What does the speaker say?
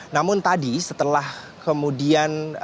namun tadi setelah kemudian